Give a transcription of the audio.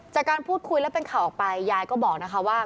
จากการพูดคุยและเป็นข่าวออกไปยายก็บอกนะคะว่า